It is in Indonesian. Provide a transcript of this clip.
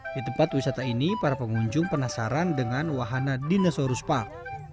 di tempat wisata ini para pengunjung penasaran dengan wahana dinosaurus park